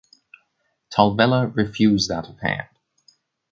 Talvela refused out of hand.